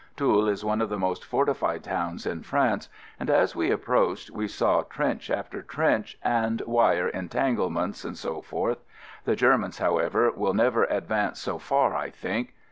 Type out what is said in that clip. Toul is one of the most fortified towns in France, and as we approached we saw trench after trench and wire entanglements, etc. The Germans, however, will never advance so far, I think.